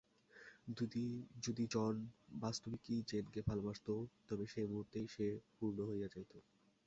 যদি জন বাস্তবিকই জেনকে ভালবাসিত, তবে সেই মুহূর্তেই সে পূর্ণ হইয়া যাইত।